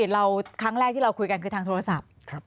เราครั้งแรกที่เราคุยกันคือทางโทรศัพท์